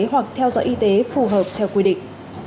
hoặc theo dõi y tế phù hợp theo quy định